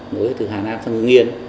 nối từ hà nam sang ngư nghiên